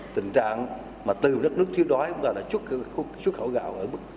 tình trạng mà từ đất nước thiếu đói cũng gọi là xuất khẩu gạo